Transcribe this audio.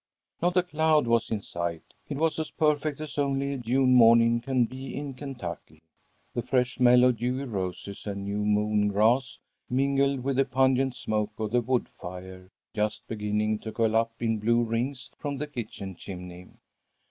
Not a cloud was in sight. It was as perfect as only a June morning can be, in Kentucky. The fresh smell of dewy roses and new mown grass mingled with the pungent smoke of the wood fire, just beginning to curl up in blue rings from the kitchen chimney.